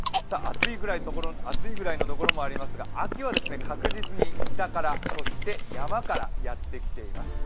暑いぐらいのところもありますが、秋は確実に北から、そして山からやって来ています。